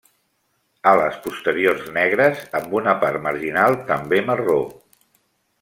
Ales posteriors negres amb una part marginal també marró.